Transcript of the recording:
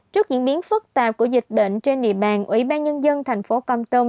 trước diễn biến phức tạp của dịch bệnh trên địa bàn ủy ban nhân dân thành phố công tâm